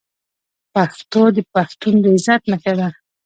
پښتو د پښتون د عزت نښه ده.